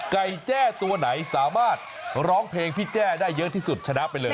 แจ้ตัวไหนสามารถร้องเพลงพี่แจ้ได้เยอะที่สุดชนะไปเลย